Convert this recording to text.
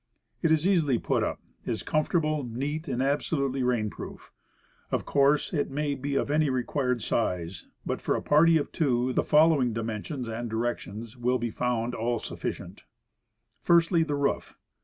It is easily put up, is comfortable, neat, and absolutely rain proof. Of course, it may be of any required size; but, for a party of two, the following dimensions and directions will be found all sufficient: Firstly, the roof.